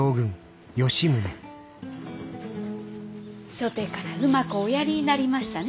初手からうまくおやりになりましたね